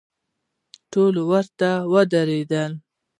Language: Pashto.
ټول ورته ودریدو.